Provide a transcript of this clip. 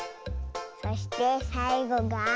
そしてさいごが。